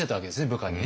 部下にね。